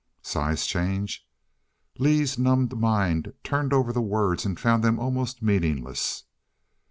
Size change? Lee's numbed mind turned over the words and found them almost meaningless.